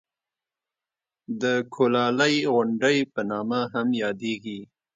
د کولالۍ غونډۍ په نامه هم یادېږي.